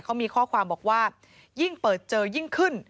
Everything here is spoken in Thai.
เขามีข้อความบอกว่ายิ่งเปิดเจอยิ่งขึ้น